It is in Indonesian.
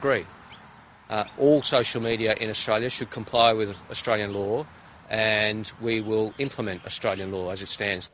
semua media sosial di australia harus berkompli dengan perintah australia dan kita akan memanfaatkan perintah australia seperti itu